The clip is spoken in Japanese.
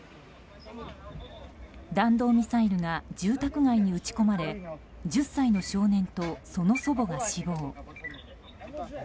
弾道ミサイルが住宅街に撃ち込まれ１０歳の少年とその祖母が死亡。